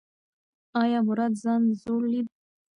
ایا مراد ځان زوړ لید؟